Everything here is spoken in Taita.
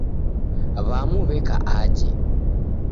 W'amu w'eka aje.